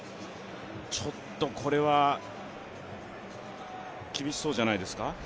ちょっとこれは厳しそうじゃないですか。